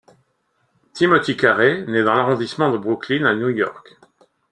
Timothy Carey né dans l'arrondissement de Brooklyn à New York.